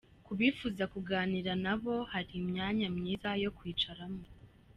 Ku bifuza kuganira n'ababo hari imyanya myiza yo kwicaramo.